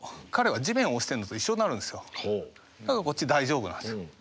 だから大丈夫なんですよ。